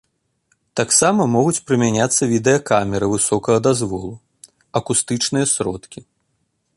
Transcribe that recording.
Таксама могуць прымяняцца відэакамеры высокага дазволу, акустычныя сродкі.